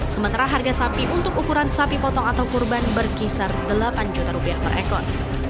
sementara harga sapi untuk ukuran sapi potong atau kurban berkisar delapan juta rupiah per ekor